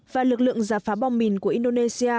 và lực lượng giả phá bom mìn của indonesia